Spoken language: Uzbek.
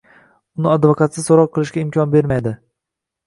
uni advokatsiz so‘roq qilishga imkon bermaydi